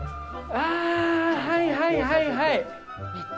ああ、はいはい、はいはい。